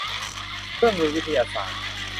เครื่องมือวิทยาศาสตร์